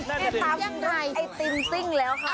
ทำอย่างไรครับเสร็จมาไทยเรื่องไอติมซึ่งแล้วค่ะ